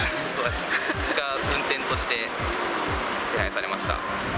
僕が運転として手配されました。